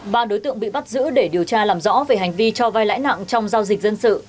ba đối tượng bị bắt giữ để điều tra làm rõ về hành vi cho vai lãi nặng trong giao dịch dân sự